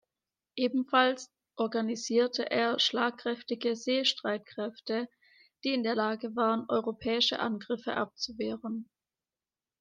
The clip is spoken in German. Ebenfalls organisierte er schlagkräftige Seestreitkräfte, die in der Lage waren europäische Angriffe abzuwehren.